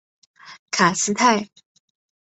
卡斯泰。